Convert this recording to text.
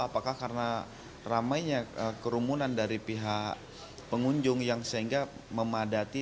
apakah karena ramainya kerumunan dari pihak pengunjung yang sehingga memadati